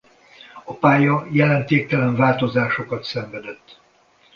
A pálya jelentéktelen változásokat szenvedett.